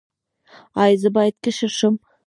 ایا زه باید کشر شم؟